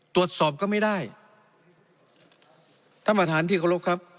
ตรวจสอบก็ไม่ได้ท่านประธานที่เคารพครับ